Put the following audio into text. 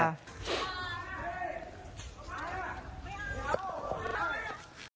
เฮ้ยทำไมล่ะไม่เอา